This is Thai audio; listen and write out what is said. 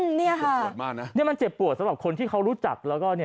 เจ็บปวดมากนะมันเจ็บปวดสำหรับคนที่เขารู้จัก